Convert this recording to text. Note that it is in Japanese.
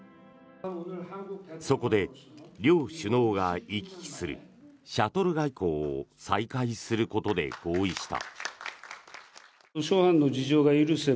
そこで、両首脳が行き来するシャトル外交を再開することで合意した。